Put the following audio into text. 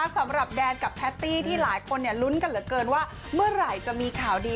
สำหรับแดนกับแพตตี้ที่หลายคนลุ้นกันเหลือเกินว่าเมื่อไหร่จะมีข่าวดี